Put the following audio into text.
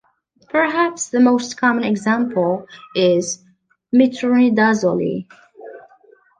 Perhaps the most common example is metronidazole.